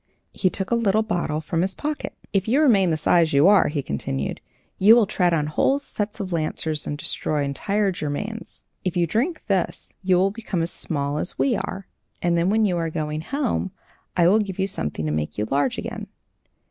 He took a little bottle from his pocket. "If you remain the size you are," he continued, "you will tread on whole sets of lancers and destroy entire germans. If you drink this, you will become as small as we are; and then, when you are going home, I will give you something to make you large again."